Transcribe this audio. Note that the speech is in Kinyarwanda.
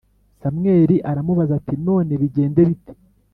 Samweli aramubaza ati none bigende bite